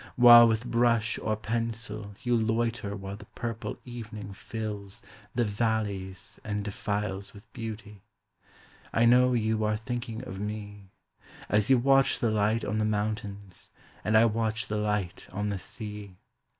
While with brush or pencil you loiter while the purple evening fills The valleys and defiles with beauty, — I know you are thinking of me As you watch the hght on the mountains and I watch the light on the sea